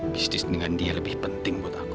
bisnis dengan dia lebih penting buat aku